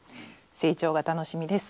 成長が楽しみです。